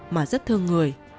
mà rất thương người